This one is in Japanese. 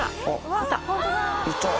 いた！